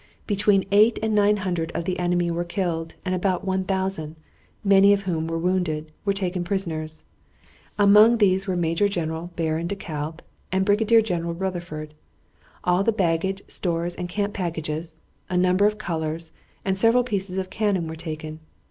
Between eight and nine hundred of the enemy were killed and about 1000, many of whom were wounded, were taken prisoners. Among these were Major General Baron de Kalb and Brigadier General Rutherford. All the baggage, stores, and camp packages, a number of colors, and several pieces of cannon were taken.